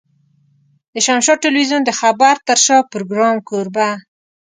د شمشاد ټلوېزيون د خبر تر شا پروګرام کوربه.